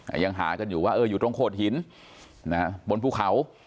ยังหากันอยู่ว่าเอออยู่ตรงโขดหินนะฮะบนภูเขา